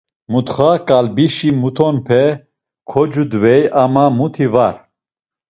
Mutxa ǩalbişi mutonpe kocudvey ama muti var.